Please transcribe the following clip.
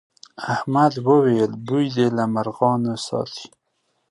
احمد وويل: بوی دې له مرغانو ساتي.